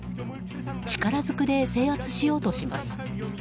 力ずくで制圧しようとします。